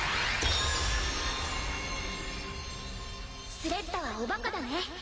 スレッタはおバカだね。